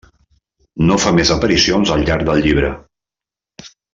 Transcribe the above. No fa més aparicions al llarg del llibre.